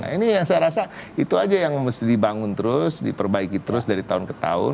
ini yang saya rasa itu aja yang mesti dibangun terus diperbaiki terus dari tahun ke tahun